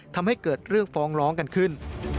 ทำให้เกิดเรื่องฟ้องร้องกันขึ้น